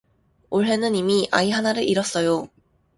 올해는 이미 아이 하나를 잃었어요.